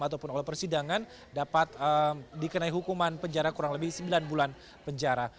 ataupun oleh persidangan dapat dikenai hukuman penjara kurang lebih sembilan bulan penjara